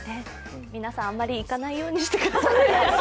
皆さん、あまり行かないようにしてくださいね。